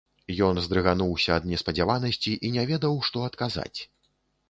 Ён здрыгануўся ад неспадзяванасці і не ведаў, што адказаць.